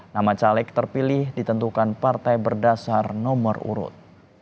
nama caleg terpilih ditentukan partai berdasar nomor urut